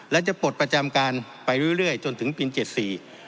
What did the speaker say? และจะปลดประจำการไปเรื่อยเรื่อยจนถึงปีเจ็ดสี่